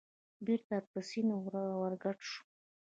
بېرته په سیند ورګډ شوم.